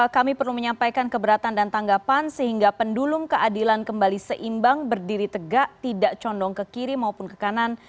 kami perlu menyampaikan keberatan dan tanggapan sehingga pendulum keadilan kembali seimbang berdiri tegak tidak condong ke kiri maupun ke kanan